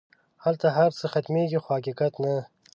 هلته هر څه ختمېږي خو حقیقت نه.